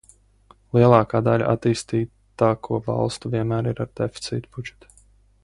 Lielākā daļa attīstītāko valstu vienmēr ir ar deficīta budžetu.